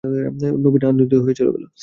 নবীন আনন্দিত হয়ে চলে গেল।